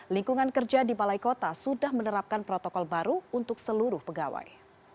lingkungan kerja di balai kota sudah menerapkan protokol baru untuk seluruh pegawai